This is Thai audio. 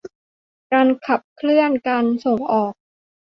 การขับเคลื่อนการส่งออก